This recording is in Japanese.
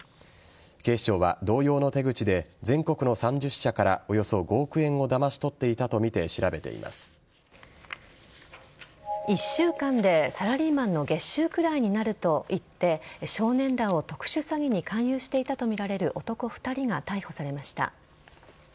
警視庁は同様の手口で全国の３０社からおよそ５億円をだまし取っていたとみて１週間でサラリーマンの月収くらいになると言って少年らを特殊詐欺に勧誘していたとみられる男２人が逮捕されました。